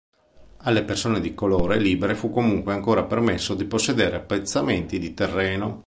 Alle persone di colore libere fu comunque ancora permesso di possedere appezzamenti di terreno.